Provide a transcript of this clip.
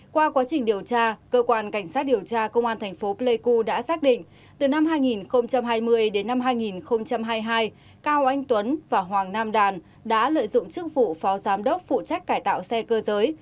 qua quá trình điều tra cơ quan cảnh sát điều tra công an thành phố pleiku đã xác định từ năm hai nghìn hai mươi đến năm hai nghìn hai mươi hai cao anh tuấn và hoàng nam đàn đã lợi dụng chức vụ phó giám đốc phụ trách cải tạo xe cơ giới